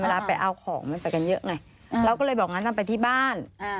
เวลาไปเอาของมันไปกันเยอะไงเราก็เลยบอกงั้นนำไปที่บ้าน